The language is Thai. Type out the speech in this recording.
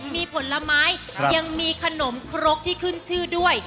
มีผลไม้ยังมีขนมครกที่ขึ้นชื่อด้วย